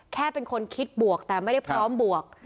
แค่เป็นคนคิดบวกแต่ไม่ได้พร้อมบวก